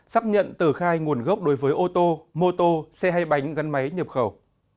sắp nhận tờ khai nguồn gốc đối với ô tô mô tô xe hay bánh gắn máy nhập khẩu